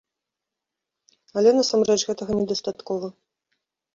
Але насамрэч гэтага недастаткова.